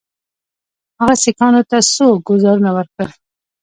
هغه سیکهانو ته څو ګوزارونه ورکړل.